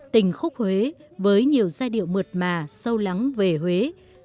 tình khúc huế với nhiều giai điệu mượt mà sâu lắng về huế